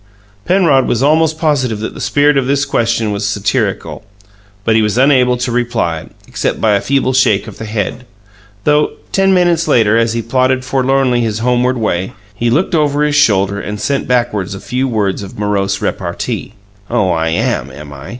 Penrod was almost positive that the spirit of this question was satirical; but he was unable to reply, except by a feeble shake of the head though ten minutes later, as he plodded forlornly his homeward way, he looked over his shoulder and sent backward a few words of morose repartee: "Oh, I am, am I?"